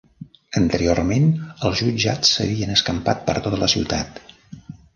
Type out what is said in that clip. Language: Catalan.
Anteriorment els jutjats s'havien escampat per tota la ciutat.